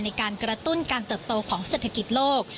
ในการกระตุ้นการเติบโตของเศรษฐกิจโลก